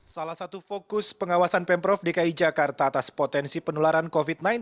salah satu fokus pengawasan pemprov dki jakarta atas potensi penularan covid sembilan belas